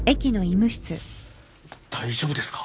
大丈夫ですか？